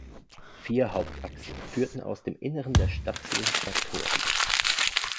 Vier Hauptachsen führten aus dem Inneren der Stadt zu den Stadttoren.